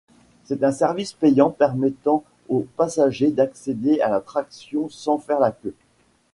C'est un service payant permettant aux passagers d'accéder à l'attraction sans faire la queue.